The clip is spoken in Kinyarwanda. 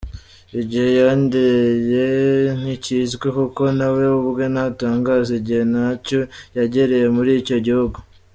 Igihe yandeye ntikizwi kuko nawe ubwe ntatangaza igihe nyacyo yagereye muri icyo gihugu.